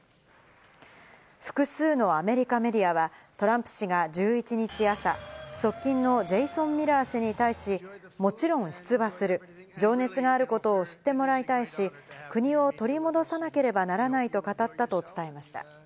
複数のアメリカメディアは、トランプ氏が１１日朝、側近のジェイソン・ミラー氏に対し、もちろん出馬する、情熱があることを知ってもらいたいし、国を取り戻さなければならないと語ったと伝えました。